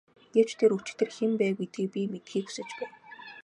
Гэвч тэр өчигдөр хэн байв гэдгийг би мэдэхийг хүсэж байна.